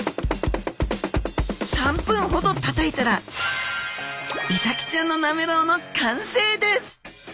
３分ほど叩いたらイサキちゃんのなめろうの完成です！